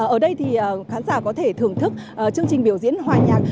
ở đây thì khán giả có thể thưởng thức chương trình biểu diễn hòa nhạc